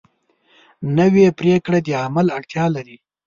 نوې پریکړه د عمل اړتیا لري